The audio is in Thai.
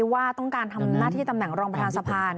ว่าต้องการทำหน้าที่ตำแหน่งรองประธานสภา